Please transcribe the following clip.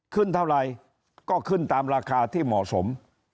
เท่าไรก็ขึ้นตามราคาที่เหมาะสม